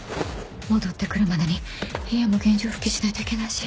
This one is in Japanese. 戻って来るまでに部屋も現状復帰しないといけないし